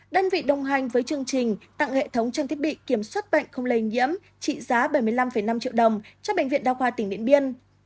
đơn vị đồng hành với chương trình tặng hệ thống trang thiết bị kiểm soát bệnh không lây nhiễm trị giá bảy mươi năm năm triệu đồng cho bệnh viện đa khoa tỉnh điện biên